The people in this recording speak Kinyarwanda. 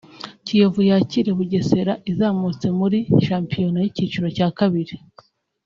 Kiyovu yakire Bugesera izamutse muri shampiyona y’icyiciro cya kabiri